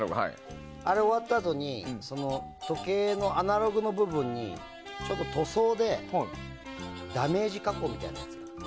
あれ終わったあとに時計のアナログの部分にちょっと塗装でダメージ加工みたいなやつ